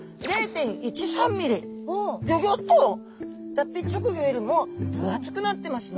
脱皮直後よりも分厚くなってますね！